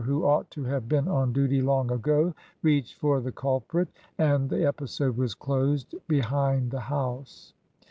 who ought to have been on duty long ago, reached for the culprit, and the episode was closed — behind the house.